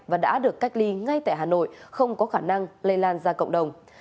và đã được cách ly ngay tại hà nội không có khả năng lây lan ra cộng đồng